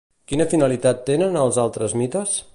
Quina finalitat tenen els altres mites?